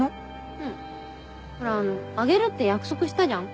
うんほらあのあげるって約束したじゃん。